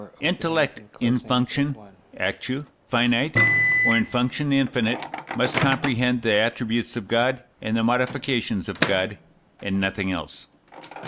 Intellect, in function (actu) finite, or in function infinite, must comprehend the attributes of God and the modifications of God, and nothing else.